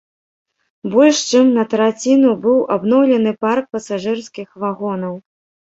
Больш чым на траціну быў абноўлены парк пасажырскіх вагонаў.